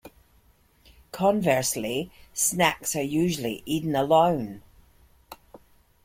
Conversely, snacks are usually eaten alone.